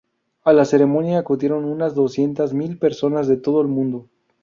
A la ceremonia acudieron unas doscientas mil personas de todo el mundo.